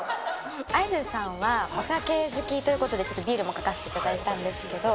Ａｙａｓｅさんは、お酒好きということで、ちょっとビールも描かせていただいたんですけど。